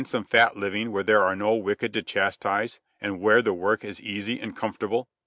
"Some fat living, where there are no wicked to chastise, and where the work is easy and well endowed?"